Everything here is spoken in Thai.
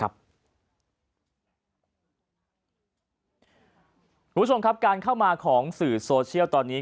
คุณผู้ชมครับการเข้ามาของสื่อโซเชียลตอนนี้